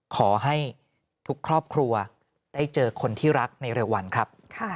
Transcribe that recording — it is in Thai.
ขอให้ทุกครอบครัวได้เจอคนที่รักในเร็ววันครับ